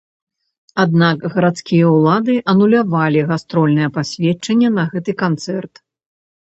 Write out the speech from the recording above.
Аднак гарадскія ўлады анулявалі гастрольнае пасведчанне на гэты канцэрт.